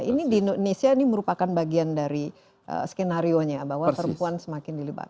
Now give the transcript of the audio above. ini di indonesia ini merupakan bagian dari skenario nya bahwa perempuan semakin dilibatkan